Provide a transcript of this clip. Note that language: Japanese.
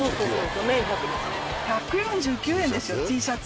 １４９円ですよＴシャツ。